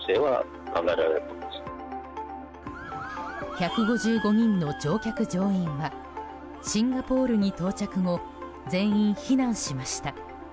１５５人の乗客・乗員はシンガポールに到着後全員、避難しました。